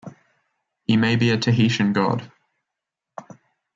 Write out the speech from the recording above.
He may be a Tahitian god.